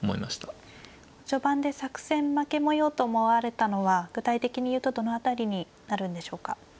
序盤で作戦負け模様と思われたのは具体的に言うとどの辺りになるんでしょうか。